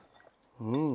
うん！